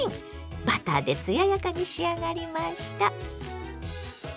バターで艶やかに仕上がりました。